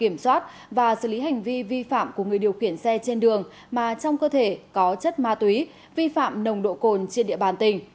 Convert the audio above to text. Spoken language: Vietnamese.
kiểm soát và xử lý hành vi vi phạm của người điều khiển xe trên đường mà trong cơ thể có chất ma túy vi phạm nồng độ cồn trên địa bàn tỉnh